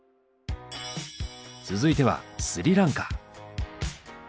続いてはスリランカ。